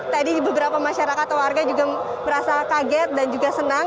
tadi beberapa masyarakat atau warga juga merasa kaget dan juga senang